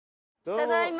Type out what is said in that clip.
ただいま。